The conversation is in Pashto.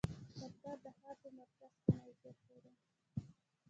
دفتر د ښار په مرکز کې موقعیت لری